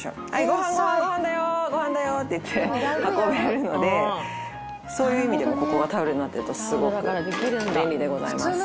ご飯だよ！っていって運べるのでそういう意味でもここがタオルになってるとすごく便利でございます。